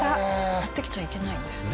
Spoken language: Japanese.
寄ってきちゃいけないんですね。